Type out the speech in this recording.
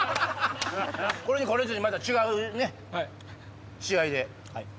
これに懲りずにまた違う試合で。